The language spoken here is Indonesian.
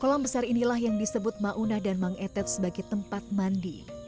kolam besar inilah yang disebut mauna dan mang etet sebagai tempat mandi